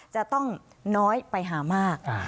จะต้องน้อยไปหามาก